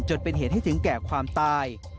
จนเป็นเหตุให้ถึงแก่ความตาย